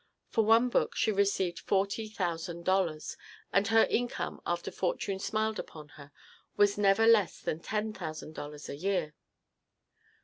For one book she received forty thousand dollars, and her income after fortune smiled upon her was never less than ten thousand dollars a year.